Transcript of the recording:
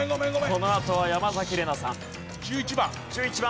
このあとは山崎怜奈さん。